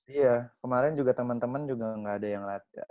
iya kemarin juga temen temen juga enggak ada yang